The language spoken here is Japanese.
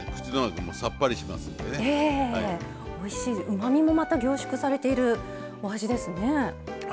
うまみもまた凝縮されているお味ですね。